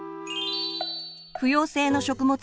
不溶性の食物